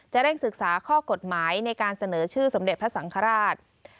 เร่งศึกษาข้อกฎหมายในการเสนอชื่อสมเด็จพระสังฆราช